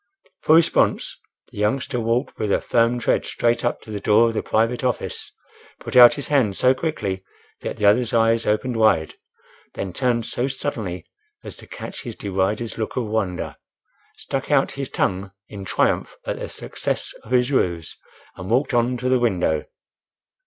For response, the youngster walked with a firm tread straight up to the door of the private office; put out his hand so quickly that the other's eyes opened wide; then turned so suddenly as to catch his derider's look of wonder; stuck out his tongue in triumph at the success of his ruse, and walked on to the window.